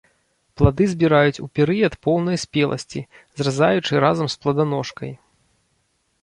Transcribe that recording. Плады збіраюць у перыяд поўнай спеласці, зразаючы разам з пладаножкай.